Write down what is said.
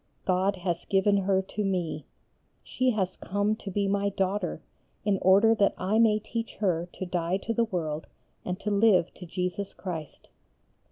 God has given her to me. She has come to be my daughter in order that I may teach her to die to the world and to live to Jesus Christ.